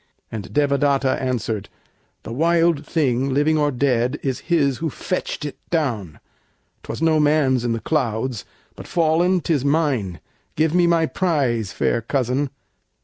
And Devadatta answered, "The wild thing, Living or dead, is his who fetched it down; 'Twas no man's in the clouds, but fallen 'tis mine. Give me my prize, fair cousin."